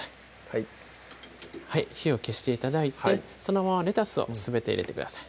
はい火を消して頂いてそのままレタスをすべて入れてください